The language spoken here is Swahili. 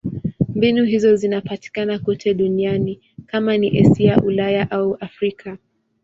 Mbinu hizo zinapatikana kote duniani: kama ni Asia, Ulaya au Afrika.